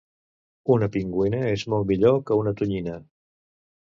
Una pingüina és molt millor que una tonyina